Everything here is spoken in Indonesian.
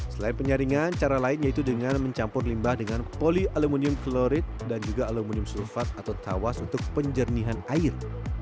selain penyaringan cara lain yaitu dengan mencampur limbah dengan polialuminium florit dan juga aluminium sulfat atau tawas untuk penjernihan air